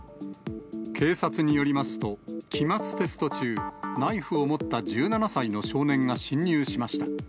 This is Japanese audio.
警察によりますと、期末テスト中、ナイフを持った１７歳の少年が侵入しました。